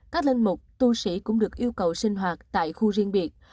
các linh mục tu sĩ cũng được yêu cầu sinh hoạt tại khu riêng biệt